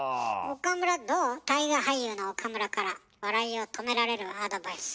大河俳優の岡村から笑いを止められるアドバイス。